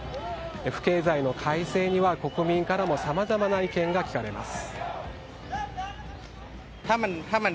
不敬罪の改正には国民からもさまざまな意見が聞かれます。